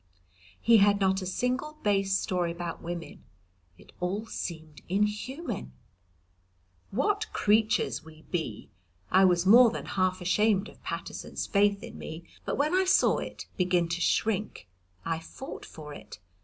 He had not a single base story about women. It all seemed inhuman. What creatures we be! I was more than half ashamed of Paterson's faith in me, but when I saw it begin to shrink I fought for it.